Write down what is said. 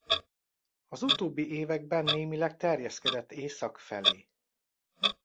Az utóbbi években némileg terjeszkedett észak felé.